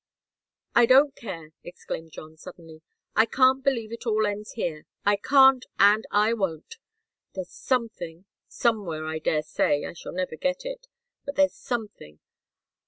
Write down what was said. "I don't care!" exclaimed John, suddenly. "I can't believe it all ends here. I can't, and I won't. There's something somewhere, I daresay I shall never get it, but there's something.